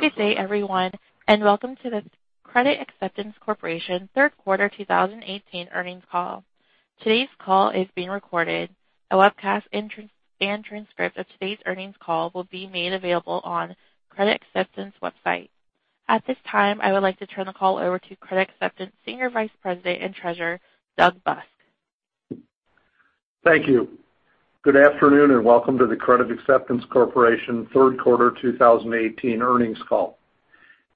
Good day, everyone, and welcome to the Credit Acceptance Corporation third quarter 2018 earnings call. Today's call is being recorded. A webcast and transcript of today's earnings call will be made available on Credit Acceptance website. At this time, I would like to turn the call over to Credit Acceptance Senior Vice President and Treasurer, Doug Busk. Thank you. Good afternoon, welcome to the Credit Acceptance Corporation third quarter 2018 earnings call.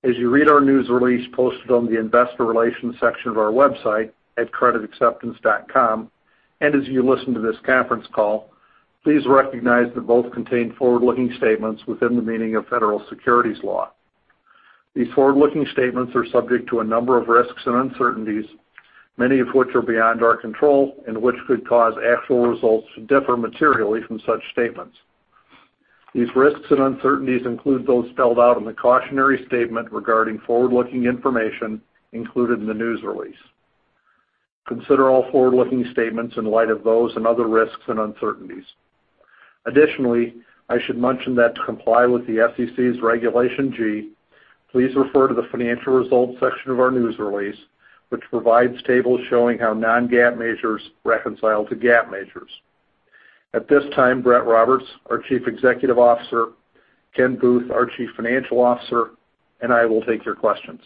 As you read our news release posted on the investor relations section of our website at creditacceptance.com, as you listen to this conference call, please recognize that both contain forward-looking statements within the meaning of federal securities law. These forward-looking statements are subject to a number of risks and uncertainties, many of which are beyond our control and which could cause actual results to differ materially from such statements. These risks and uncertainties include those spelled out in the cautionary statement regarding forward-looking information included in the news release. Consider all forward-looking statements in light of those and other risks and uncertainties. Additionally, I should mention that to comply with the SEC's Regulation G, please refer to the financial results section of our news release, which provides tables showing how non-GAAP measures reconcile to GAAP measures. At this time, Brett Roberts, our Chief Executive Officer, Ken Booth, our Chief Financial Officer, I will take your questions.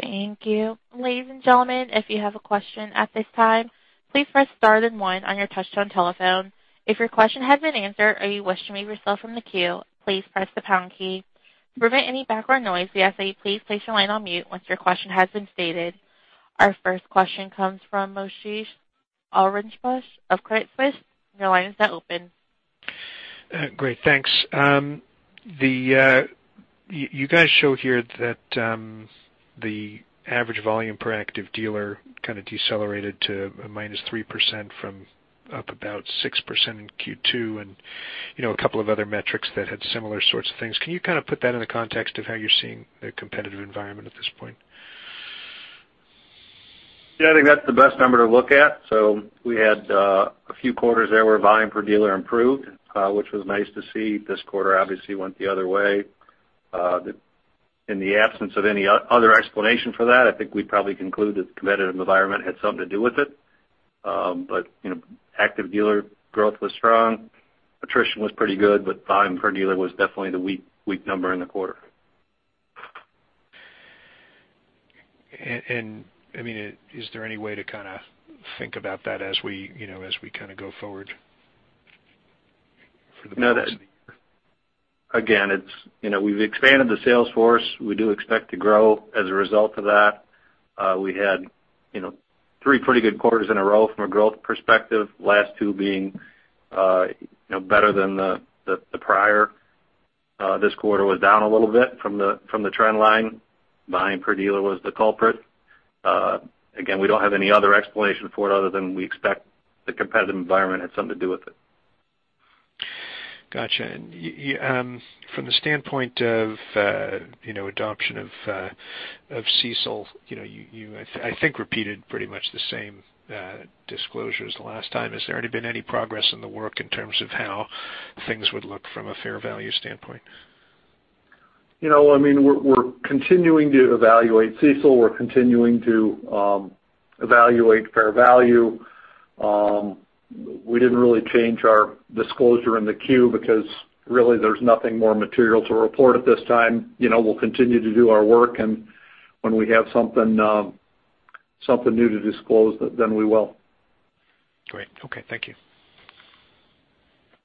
Thank you. Ladies and gentlemen, if you have a question at this time, please press star then one on your touchtone telephone. If your question has been answered or you wish to remove yourself from the queue, please press the pound key. To prevent any background noise, we ask that you please place your line on mute once your question has been stated. Our first question comes from Moshe Orenbuch of Credit Suisse. Your line is now open. Great, thanks. You guys show here that the average volume per active dealer kind of decelerated to a -3% from up about 6% in Q2, a couple of other metrics that had similar sorts of things. Can you kind of put that in the context of how you're seeing the competitive environment at this point? Yeah, I think that's the best number to look at. We had a few quarters there where volume per dealer improved, which was nice to see. This quarter obviously went the other way. In the absence of any other explanation for that, I think we'd probably conclude that the competitive environment had something to do with it. Active dealer growth was strong. Attrition was pretty good, volume per dealer was definitely the weak number in the quarter. Is there any way to kind of think about that as we go forward for the- Again, we've expanded the sales force. We do expect to grow as a result of that. We had three pretty good quarters in a row from a growth perspective. Last two being better than the prior. This quarter was down a little bit from the trend line. Volume per dealer was the culprit. Again, we don't have any other explanation for it other than we expect the competitive environment had something to do with it. Gotcha. From the standpoint of adoption of CECL, you, I think, repeated pretty much the same disclosures the last time. Has there already been any progress in the work in terms of how things would look from a fair value standpoint? We're continuing to evaluate CECL. We're continuing to evaluate fair value. We didn't really change our disclosure in the 10-Q because really there's nothing more material to report at this time. We'll continue to do our work, when we have something new to disclose, we will. Great. Okay. Thank you.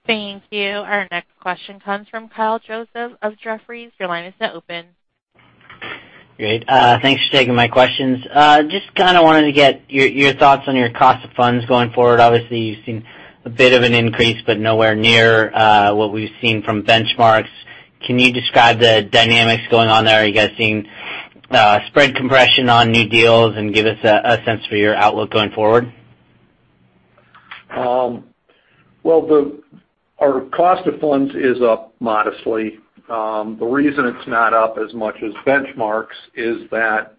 Thank you. Our next question comes from Kyle Joseph of Jefferies. Your line is now open. Great. Thanks for taking my questions. Just kind of wanted to get your thoughts on your cost of funds going forward. Obviously, you've seen a bit of an increase, but nowhere near what we've seen from benchmarks. Can you describe the dynamics going on there? Are you guys seeing spread compression on new deals? Give us a sense for your outlook going forward. Well, our cost of funds is up modestly. The reason it's not up as much as benchmarks is that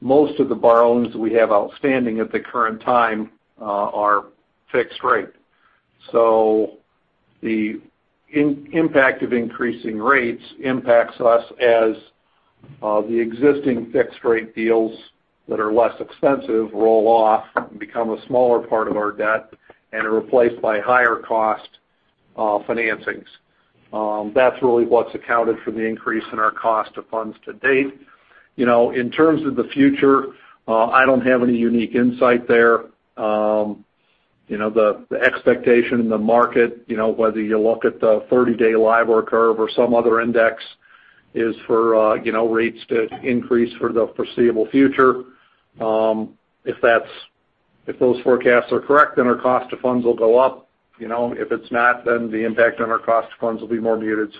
most of the borrowings we have outstanding at the current time are fixed rate. The impact of increasing rates impacts us as the existing fixed rate deals that are less expensive roll off and become a smaller part of our debt and are replaced by higher cost financings. That's really what's accounted for the increase in our cost of funds to date. In terms of the future, I don't have any unique insight there. The expectation in the market, whether you look at the 30-day LIBOR curve or some other index, is for rates to increase for the foreseeable future. If those forecasts are correct, our cost of funds will go up. If it's not, the impact on our cost of funds will be more muted.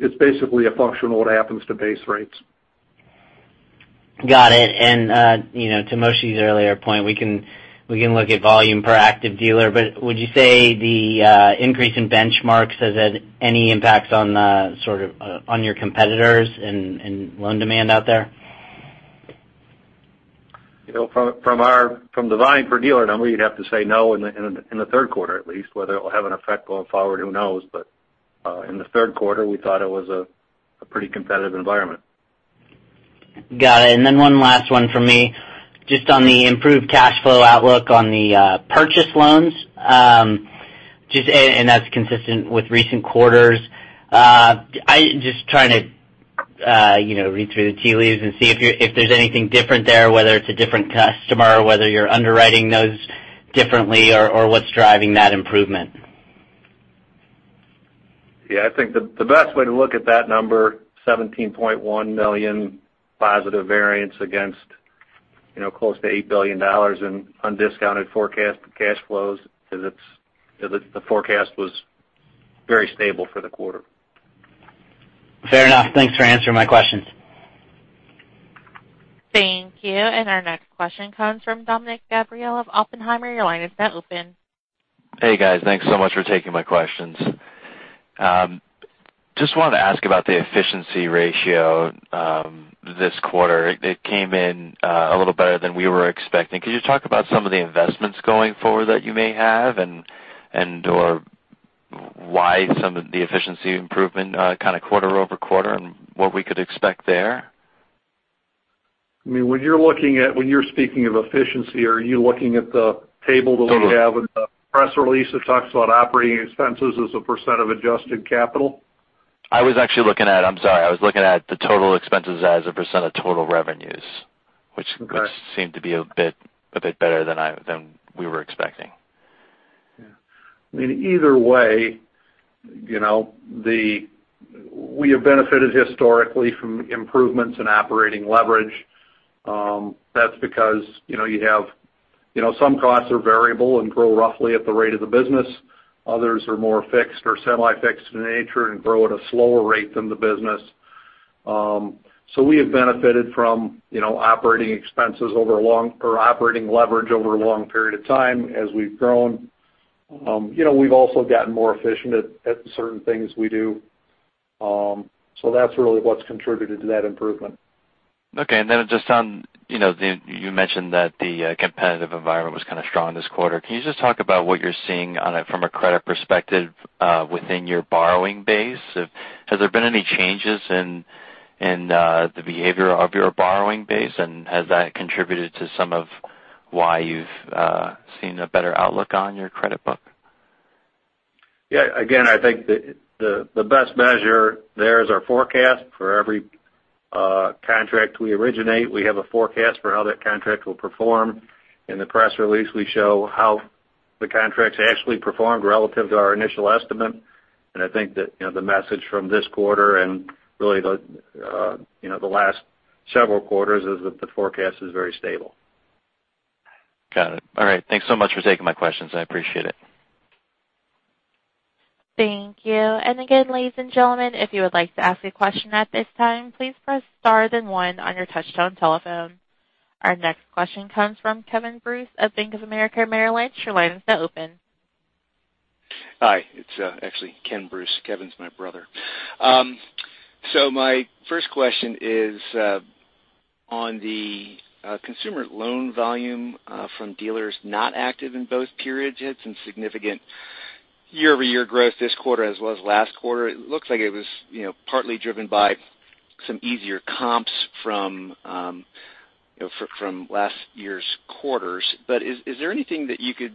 It's basically a function of what happens to base rates. Got it. To Moshe's earlier point, we can look at volume per active dealer, but would you say the increase in benchmarks has had any impacts on your competitors and loan demand out there? From the volume per dealer number, you'd have to say no in the third quarter at least. Whether it will have an effect going forward, who knows? In the third quarter, we thought it was a pretty competitive environment. Got it. One last one from me. Just on the improved cash flow outlook on the purchase loans. That's consistent with recent quarters. I'm just trying to read through the tea leaves and see if there's anything different there, whether it's a different customer, or whether you're underwriting those differently, or what's driving that improvement. I think the best way to look at that number, $17.1 million positive variance against close to $8 billion in undiscounted forecast cash flows, is the forecast was very stable for the quarter. Fair enough. Thanks for answering my questions. Thank you. Our next question comes from Dominick Gabriele of Oppenheimer. Your line is now open. Hey, guys. Thanks so much for taking my questions. Just wanted to ask about the efficiency ratio this quarter. It came in a little better than we were expecting. Could you talk about some of the investments going forward that you may have, and/or why some of the efficiency improvement kind of quarter-over-quarter, and what we could expect there? When you're speaking of efficiency, are you looking at the table that we have in the press release that talks about operating expenses as a % of adjusted capital? I was looking at the total expenses as a % of total revenues. Okay which seemed to be a bit better than we were expecting. Yeah. Either way, we have benefited historically from improvements in operating leverage. That's because some costs are variable and grow roughly at the rate of the business. Others are more fixed or semi-fixed in nature and grow at a slower rate than the business. We have benefited from operating expenses over a long, or operating leverage over a long period of time as we've grown. We've also gotten more efficient at certain things we do. That's really what's contributed to that improvement. Okay. Just on, you mentioned that the competitive environment was kind of strong this quarter. Can you just talk about what you're seeing on it from a credit perspective within your borrowing base? Has there been any changes in the behavior of your borrowing base, and has that contributed to some of why you've seen a better outlook on your credit book? Yeah. Again, I think the best measure there is our forecast. For every contract we originate, we have a forecast for how that contract will perform. In the press release, we show how the contracts actually performed relative to our initial estimate. I think that the message from this quarter and really the last several quarters is that the forecast is very stable. Got it. All right. Thanks so much for taking my questions. I appreciate it. Thank you. Again, ladies and gentlemen, if you would like to ask a question at this time, please press star then one on your touch-tone telephone. Our next question comes from Ken Bruce of Bank of America Merrill Lynch. Your line is now open. Hi. It's actually Ken Bruce. Kevin's my brother. My first question is on the consumer loan volume from dealers not active in both periods. You had some significant year-over-year growth this quarter as well as last quarter. It looks like it was partly driven by some easier comps from last year's quarters. Is there anything that you could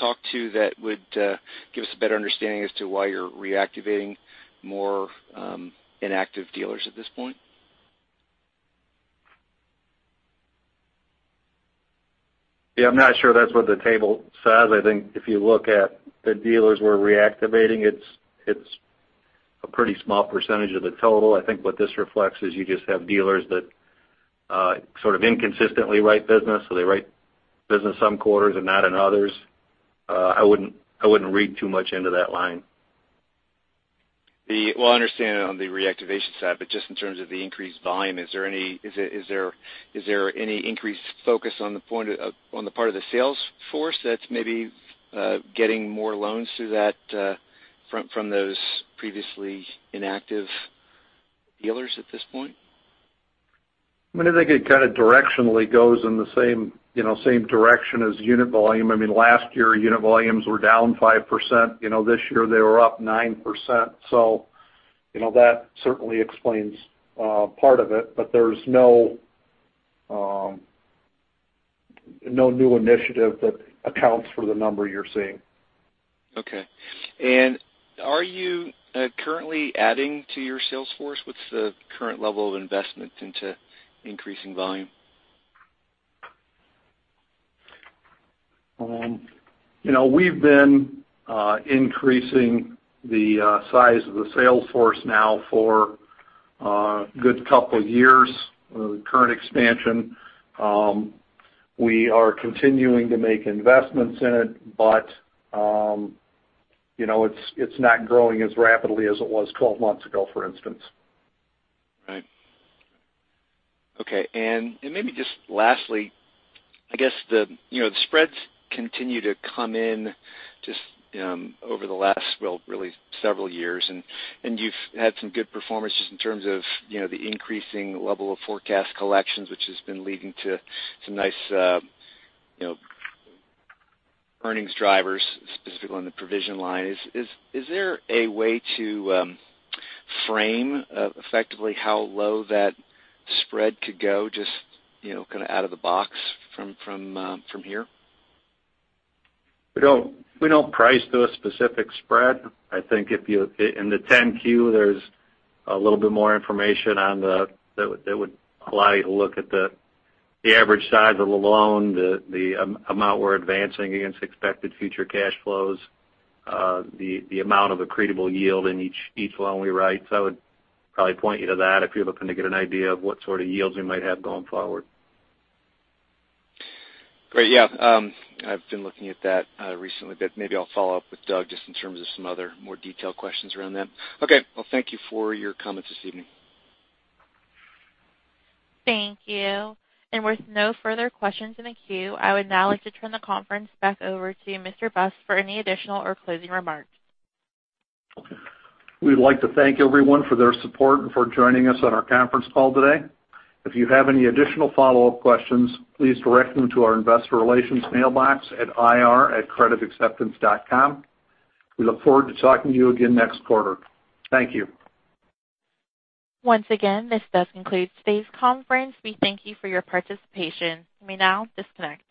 talk to that would give us a better understanding as to why you're reactivating more inactive dealers at this point? Yeah, I'm not sure that's what the table says. I think if you look at the dealers we're reactivating, it's a pretty small percentage of the total. I think what this reflects is you just have dealers that sort of inconsistently write business, so they write business some quarters and not in others. I wouldn't read too much into that line. Well, I understand on the reactivation side, but just in terms of the increased volume, is there any increased focus on the part of the sales force that's maybe getting more loans through that from those previously inactive dealers at this point? I think it kind of directionally goes in the same direction as unit volume. Last year, unit volumes were down 5%. This year, they were up 9%. That certainly explains part of it. There's no new initiative that accounts for the number you're seeing. Okay. Are you currently adding to your sales force? What's the current level of investment into increasing volume? We've been increasing the size of the sales force now for a good couple of years. The current expansion, we are continuing to make investments in it, but it's not growing as rapidly as it was 12 months ago, for instance. Right. Okay. Maybe just lastly, I guess the spreads continue to come in just over the last, well, really several years, and you've had some good performance just in terms of the increasing level of forecast collections, which has been leading to some nice earnings drivers, specifically on the provision line. Is there a way to frame effectively how low that spread could go, just kind of out of the box from here? We don't price to a specific spread. I think in the 10-Q, there's a little bit more information on the, that would allow you to look at the average size of the loan, the amount we're advancing against expected future cash flows, the amount of accretable yield in each loan we write. I would probably point you to that if you're looking to get an idea of what sort of yields we might have going forward. Great. Yeah. I've been looking at that recently, maybe I'll follow up with Doug just in terms of some other more detailed questions around that. Okay. Well, thank you for your comments this evening. Thank you. With no further questions in the queue, I would now like to turn the conference back over to Doug Busk for any additional or closing remarks. We'd like to thank everyone for their support and for joining us on our conference call today. If you have any additional follow-up questions, please direct them to our investor relations mailbox at ir@creditacceptance.com. We look forward to talking to you again next quarter. Thank you. Once again, this does conclude today's conference. We thank you for your participation. You may now disconnect.